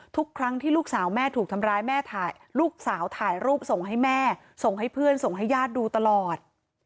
ทุกครั้งที่ลูกสาวแม่ถูกทำร้ายแม่ถ่ายลูกสาวถ่ายรูปส่งให้แม่ส่งให้เพื่อนส่งให้ญาติดูตลอด